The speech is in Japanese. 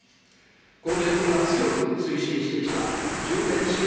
公明党が強く推進してきた重点支援